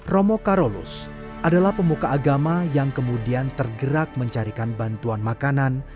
romo karolus adalah pemuka agama yang kemudian tergerak mencarikan bantuan makanan